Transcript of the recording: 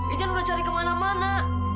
ikan udah cari kemana mana